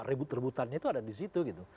rebut rebutannya itu ada di situ gitu